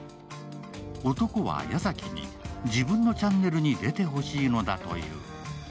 男は矢崎に、自分のチャンネルに出てほしいのだという。